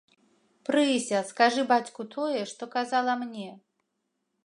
Прыся, скажы бацьку тое, што казала мне.